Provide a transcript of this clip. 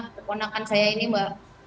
keponakan saya ini mbak